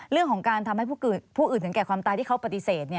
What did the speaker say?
เรื่องของการทำให้ผู้อื่นถึงแก่ความตายที่เขาปฏิเสธ